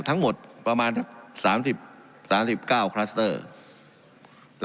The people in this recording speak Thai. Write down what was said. ทั้งหมดประมาณ๓๙คลัสเตอร์